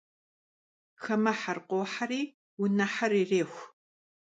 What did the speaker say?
Xameher khoheri vuneher yirêxu.